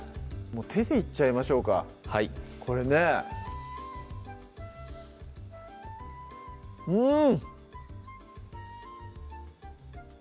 もう手でいっちゃいましょうかはいこれねうん！